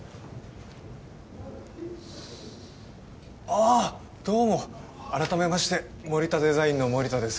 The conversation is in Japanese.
あっどうも改めまして森田デザインの森田です